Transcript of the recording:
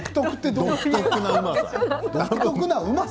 独特なうまさ？